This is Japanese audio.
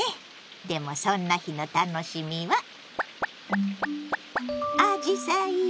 でもそんな日の楽しみはアジサイよ！